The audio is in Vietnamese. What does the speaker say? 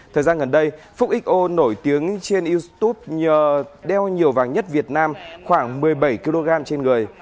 thời gian gần đây phúc xo nổi tiếng trên youtube đeo nhiều vàng nhất việt nam khoảng một mươi bảy kg trên người